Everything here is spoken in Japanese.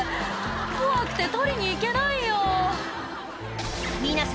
「怖くて取りに行けないよ」